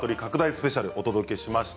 スペシャルをお届けしました。